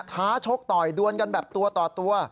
ท้าชกต่อยดวนกันแบบตัวต่อตัว